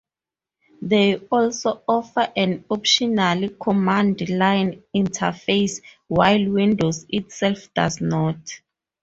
They also offer an optional command-line interface, while Windows itself does not.